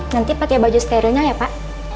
nanti pakai baju sterilnya ya pak